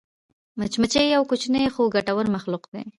مچمچۍ یو کوچنی خو ګټور مخلوق دی